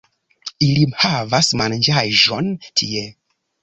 Ili havas manĝaĵon tie